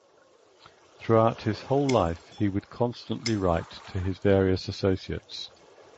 Throughout his whole life, he would constantly write to his various associates.